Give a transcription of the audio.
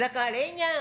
にゃん